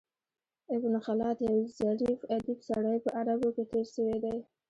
ابن خلاد یو ظریف ادیب سړی په عربو کښي تېر سوى دﺉ.